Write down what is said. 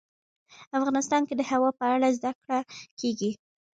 افغانستان کې د هوا په اړه زده کړه کېږي.